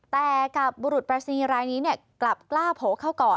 แต่กับบุรุษปรายศนีย์รายนี้กลับกล้าโผล่เข้าก่อน